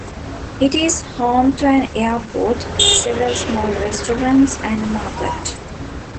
It is home to an airport, several small restaurants, and a market.